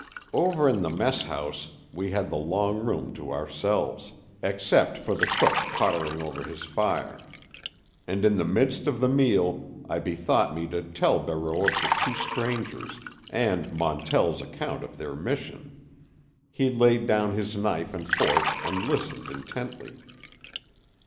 Over in the mess house we had the long room to ourselves, except for the cook pottering over his fire. And in the midst of the meal I bethought me to tell Barreau of the two strangers, and Montell's account of their mission. He laid down his knife and fork and listened intently.